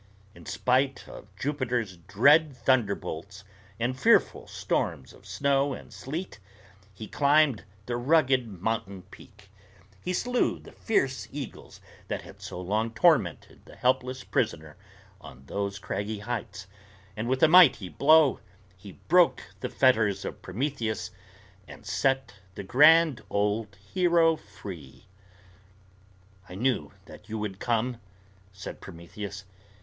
In spite of Jupiter's dread thunderbolts and fearful storms of snow and sleet, he climbed the rugged mountain peak; he slew the fierce eagles that had so long tormented the helpless prisoner on those craggy heights; and with a mighty blow, he broke the fetters of Prometheus and set the grand old hero free. "I knew that you would come," said Prometheus.